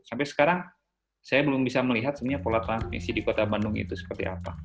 sampai sekarang saya belum bisa melihat sebenarnya pola transmisi di kota bandung itu seperti apa